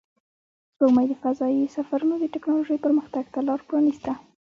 سپوږمۍ د فضایي سفرونو د تکنالوژۍ پرمختګ ته لار پرانیسته